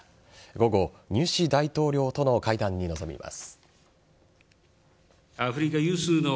午後ニュシ大統領との会談に臨みます。